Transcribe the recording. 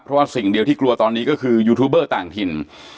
เพราะว่าสิ่งเดียวที่กลัวตอนนี้ก็คือยูทูบเบอร์ต่างถิ่น